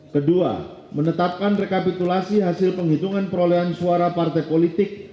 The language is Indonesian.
kedua menetapkan rekapitulasi hasil penghitungan perolehan suara partai politik